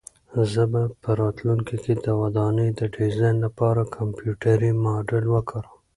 زه به په راتلونکي کې د ودانۍ د ډیزاین لپاره کمپیوټري ماډل وکاروم.